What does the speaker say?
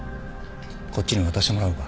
こっちに渡してもらおうか。